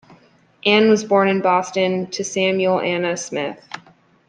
Ann was born in Boston to Samuel and Anna Smith.